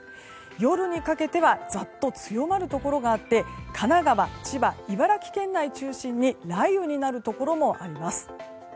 夜にかけてはざっと強まるところがあって神奈川、千葉、茨城県内を中心に雷雨になるところもあります。